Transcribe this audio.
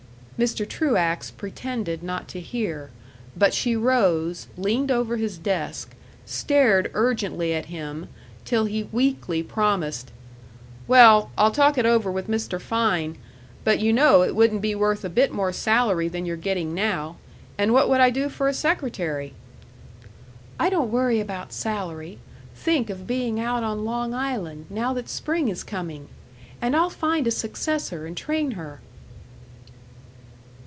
Mr. Truax pretended not to hear, but she rose, leaned over his desk, stared urgently at him, till he weakly promised: "Well, I'll talk it over with Mr. Fein. But you know it wouldn't be worth a bit more salary than you're getting now. And what would I do for a secretary?" "I don't worry about salary. Think of being out on Long Island, now that spring is coming! And I'll find a successor and train her."